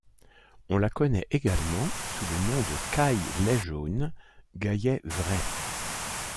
On la connaît également sous le nom de Caille-lait jaune, Gaillet vrai.